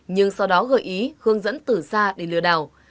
nhưng sau đó gợi ý hướng dẫn tử xa để lừa đảo